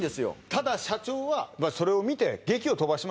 ただ社長はそれを見てげきを飛ばしました